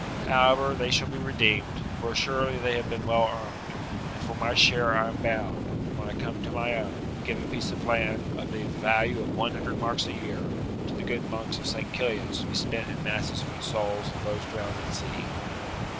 However, they shall be redeemed, for assuredly they have been well earned, and for my share I am bound, when I come to my own, to give a piece of land of the value of one hundred marks a year to the good monks of St. Killian's to be spent in masses for the souls of those drowned at sea."